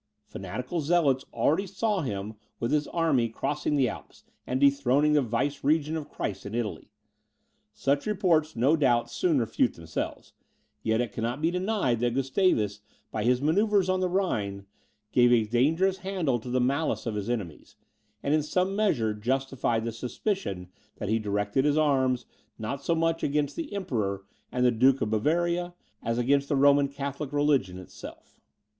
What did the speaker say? Fanatical zealots already saw him, with his army, crossing the Alps, and dethroning the Viceregent of Christ in Italy. Such reports no doubt soon refute themselves; yet it cannot be denied that Gustavus, by his manoeuvres on the Rhine, gave a dangerous handle to the malice of his enemies, and in some measure justified the suspicion that he directed his arms, not so much against the Emperor and the Duke of Bavaria, as against the Roman Catholic religion itself.